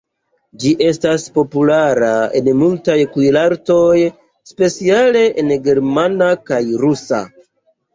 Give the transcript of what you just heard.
Ĝi estas populara en multaj kuirartoj, speciale en germana kaj rusa.